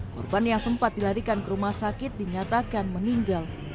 korban yang sempat dilarikan ke rumah sakit dinyatakan meninggal